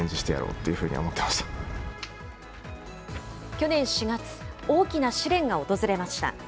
去年４月、大きな試練が訪れました。